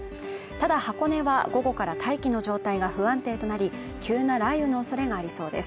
ただ箱根は午後から大気の状態が不安定となり急な雷雨の恐れがありそうです